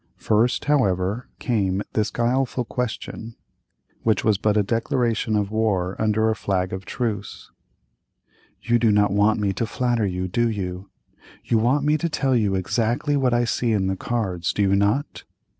First, however, came this guileful question, which was but a declaration of war under a flag of truce: "You do not want me to flatter you, do you? You want me to tell you exactly what I see in the cards, do you not?"